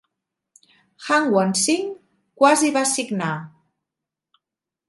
Hanwant Singh quasi va signar.